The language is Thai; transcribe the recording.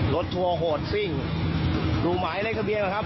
ทัวร์โหดซิ่งดูหมายเลขทะเบียนก่อนครับ